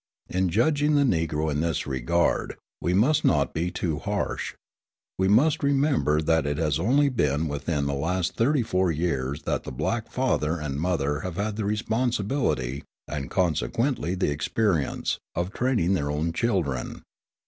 In judging the Negro in this regard, we must not be too harsh. We must remember that it has only been within the last thirty four years that the black father and mother have had the responsibility, and consequently the experience, of training their own children.